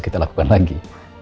kita lakukan lagi